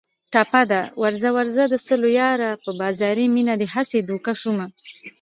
ټپه ده: ورځه ورځه د سلو یاره په بازاري مینه دې هسې دوکه شومه